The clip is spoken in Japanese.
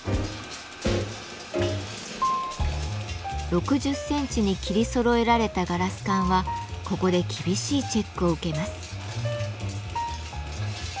６０センチに切りそろえられたガラス管はここで厳しいチェックを受けます。